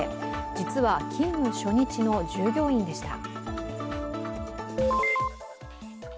実は勤務初日の従業員でした。